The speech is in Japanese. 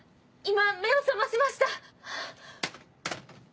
今目を覚ましました！